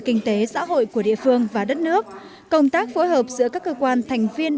kinh tế xã hội của địa phương và đất nước công tác phối hợp giữa các cơ quan thành viên